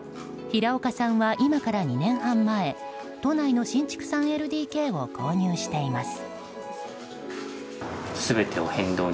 平岡さんは今から２年半前都内の新築３ＬＤＫを購入しています。